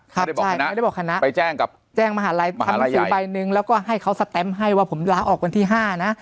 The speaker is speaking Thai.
ครับใช่ไม่ได้บอกคณะไปแจ้งกับแจ้งมหาลัยมหาลัยใหญ่ไปหนึ่งแล้วก็ให้เขาให้ว่าผมล้าออกวันที่ห้านะ